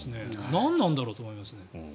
何なんだろうと思いますね。